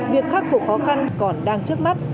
việc khắc phục khó khăn còn đang trước mắt